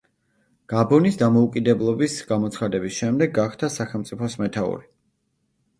გაბონის დამოუკიდებლობის გამოცხადების შემდეგ გახდა სახელმწიფოს მეთაური.